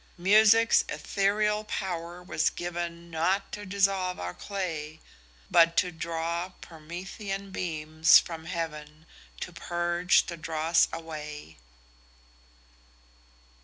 "'Music's ethereal power was given Not to dissolve our clay, But draw Promethean beams from heaven To purge the dross away.'"